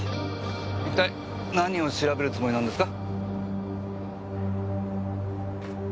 一体何を調べるつもりなんですか？